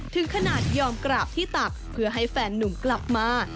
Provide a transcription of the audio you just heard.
ถึงขนาดยอมกราบที่ตักเพื่อให้แฟนนุ่มกลับมา